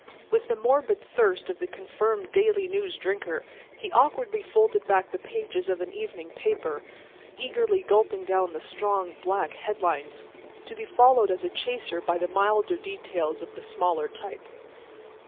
With the morbid thirst of the confirmed daily news drinker, he awkwardly folded back the pages of an evening paper, eagerly gulping down the strong, black headlines, to be followed as a chaser by the milder details of the smaller type.